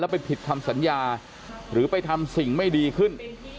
ไปผิดคำสัญญาหรือไปทำสิ่งไม่ดีขึ้น